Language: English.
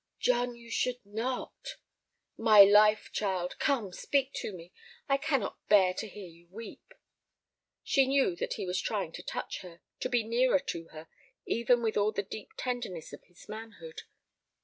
"John, you should not—" "My life, child—come, speak to me—I cannot bear to hear you weep." She knew that he was trying to touch her, to be nearer to her, even with all the deep tenderness of his manhood.